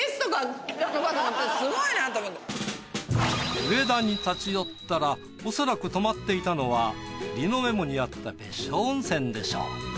上田に立ち寄ったらおそらく泊まっていたのは梨乃メモにあった別所温泉でしょう。